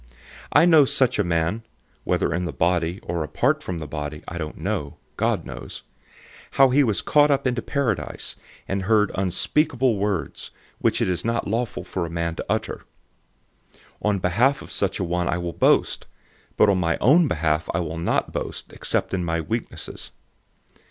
012:003 I know such a man (whether in the body, or outside of the body, I don't know; God knows), 012:004 how he was caught up into Paradise, and heard unspeakable words, which it is not lawful for a man to utter. 012:005 On behalf of such a one I will boast, but on my own behalf I will not boast, except in my weaknesses.